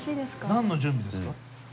何の準備ですか？